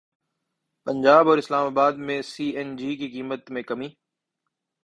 پنجاب اور اسلام اباد میں C N G کی قیمت میں کمی